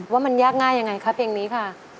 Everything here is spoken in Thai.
ว่ามันยากง่ายยังไงคะเพลงนี้ค่ะ